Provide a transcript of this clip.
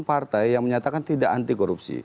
partai yang menyatakan tidak anti korupsi